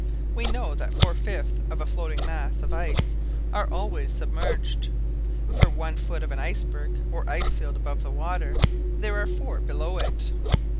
We know that four fifths of a floating mass of ice are always submerged. For one foot of an iceberg or ice field above the water, there are four below it.